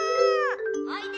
・おいで！